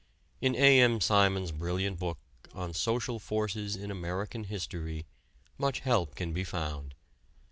In A. M. Simons' brilliant book on "Social Forces in American History" much help can be found.